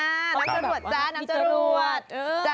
น้ำจรวด